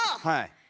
はい。